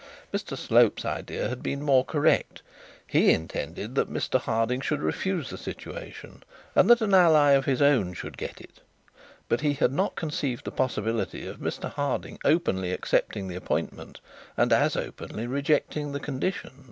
Mr Slope's idea had been more correct. He intended that Mr Harding should refuse the situation, and that an ally of his own should get it; but he had not conceived the possibility of Mr Harding openly accepting the appointment, and as openly rejecting the condition.